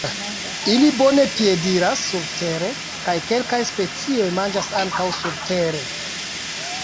Ili bone piediras surtere, kaj kelkaj specioj manĝas ankaŭ surtere.